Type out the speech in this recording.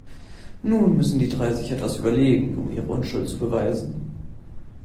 Nun müssen die drei sich etwas überlegen, um ihre Unschuld zu beweisen.